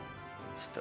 ちょっと。